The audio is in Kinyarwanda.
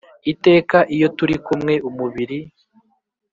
Iteka iyo turikumwe umubiri